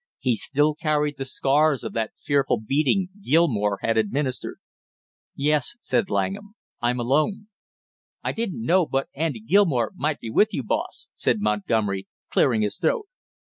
He still carried the scars of that fearful beating Gilmore had administered. "Yes," said Langham. "I'm alone." "I didn't know but Andy Gilmore might be with you, boss," said Montgomery, clearing his throat.